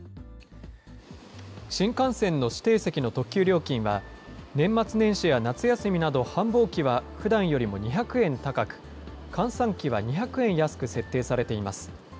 新幹線の指定席の特急料金は、年末年始や夏休みなど、繁忙期はふだんよりも２００円高く、閑散期は２００円安く設定されています。